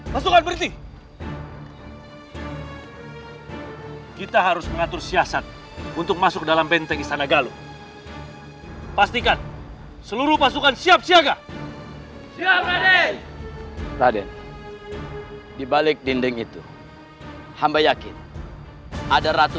pasukan berhenti kita harus mengatur siasan untuk masuk dalam benteng istana galuh pastikan seluruh pasukan siap siaga siap raden raden dibalik dinding itu hamba yakin ada ratu